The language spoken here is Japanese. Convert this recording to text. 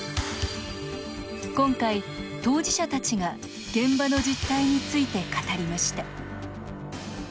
今回、当事者たちが現場の実態について語りました